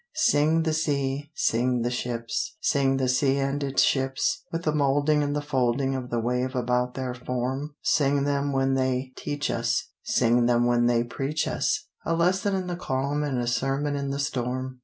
Sing the sea, sing the ships, Sing the sea and its ships, With the molding and the folding Of the wave about their form; Sing them when they teach us, Sing them when they preach us, A lesson in the calm and a sermon in the storm.